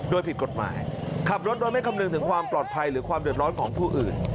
โดยผิดกฎหมายขับรถโดยไม่คำนึงถึงความปลอดภัยหรือความเดือดร้อนของผู้อื่น